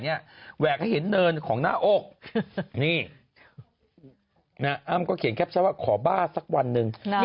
นี่หลายวันละน่ะอ้วนขาเว่ย